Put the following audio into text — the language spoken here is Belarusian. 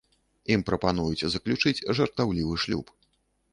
Ім прапануюць заключыць жартаўлівы шлюб.